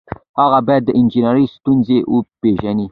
هغه باید د انجنیری ستونزې وپيژني.